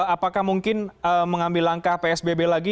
apakah mungkin mengambil langkah psbb lagi